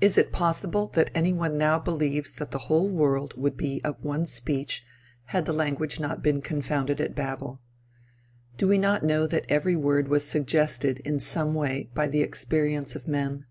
Is it possible that any one now believes that the whole world would be of one speech had the language not been confounded at Babel? Do we not know that every word was suggested in some way by the experience of men?